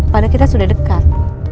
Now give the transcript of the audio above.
pada kita sudah dekat